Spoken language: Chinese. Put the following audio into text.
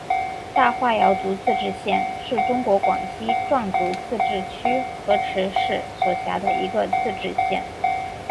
大化瑶族自治县是中国广西壮族自治区河池市所辖的一个自治县。